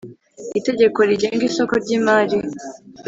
itegeko rigenga isoko ry imari